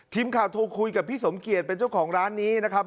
ทีมข่าวโทรคุยกับพี่สมเกียจเป็นเจ้าของร้านนี้นะครับ